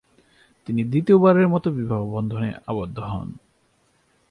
তিনি দ্বিতীয়বারের মতো বিবাহবন্ধনে আবদ্ধ হন।